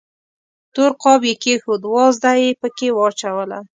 تور قاب یې کېښود، وازده یې پکې واچوله.